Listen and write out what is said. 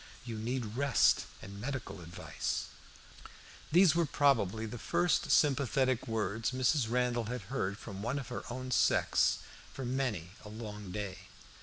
You need rest and medical advice." These were probably the first sympathetic words Mrs. Randall had heard from one of her own sex for many a long day.